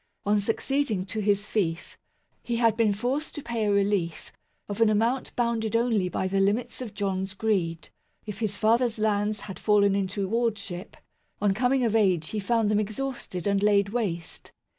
On succeeding to his fief, he had been forced to pay a relief of an amount bounded only by the limits of John's greed. If his father's lands had fallen into wardship, on coming of age he found them exhausted and laid waste.